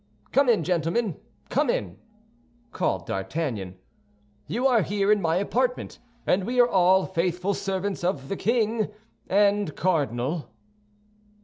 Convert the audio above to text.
"Come in, gentlemen, come in," called D'Artagnan; "you are here in my apartment, and we are all faithful servants of the king and cardinal."